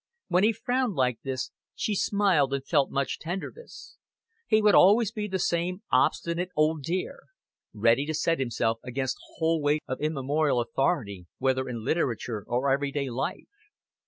When he frowned like this, she smiled and felt much tenderness. He would always be the same obstinate old dear: ready to set himself against the whole weight of immemorial authority, whether in literature or everyday life.